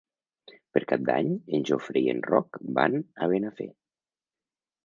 Per Cap d'Any en Jofre i en Roc van a Benafer.